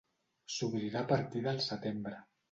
S'obrirà a partir del setembre.